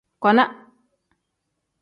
Kona.